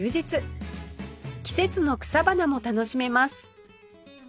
季節の草花も楽しめます